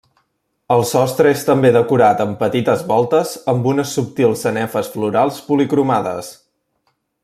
El sostre és també decorat amb petites voltes amb unes subtils sanefes florals policromades.